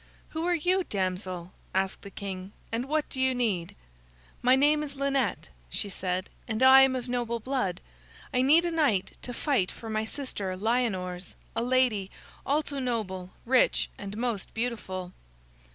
"Who are you, damsel?" asked the king, "and what do you need?" "My name is Lynette," she said, "and I am of noble blood. I need a knight to fight for my sister Lyonors, a lady, also noble, rich, and most beautiful."